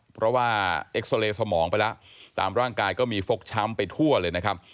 เพราะว่าเอ็กซาเรย์สมองไปแล้วตามร่างกายก็มีฟกช้ำไปทั่วเลยนะครับ